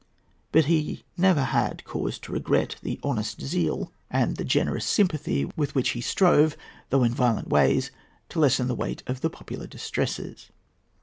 But he never had cause to regret the honest zeal and the generous sympathy with which he strove, though in violent ways, to lessen the weight of the popular distresses.